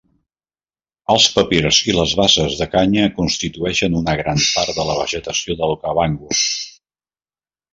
Els papirs i les basses de canya constitueixen una gran part de la vegetació del Okavango.